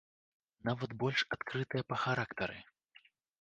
Нават больш адкрытыя па характары.